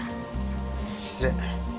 失礼。